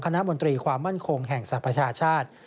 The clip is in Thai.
มนตรีความมั่นคงแห่งสรรพชาชาติ